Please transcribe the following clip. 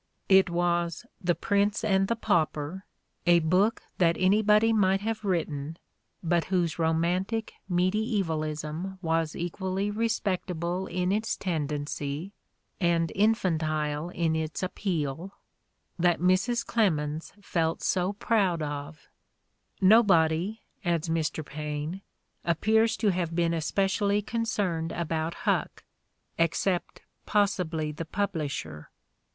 It was "The Prince and the Pauper, '' a book that anybody might have writ ten but whose romantic medievalism was equally re spectable in its tendency and infantile in its appeal, that Mrs. Clemens felt so proud of: "nobody," adds Mr. Paine, "appears to have been especially concerned about Huck, except, possibly the publisher."